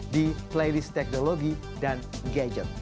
di playlist teknologi dan gadget